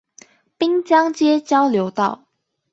濱江街交流道